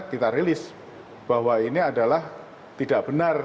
kita rilis bahwa ini adalah tidak benar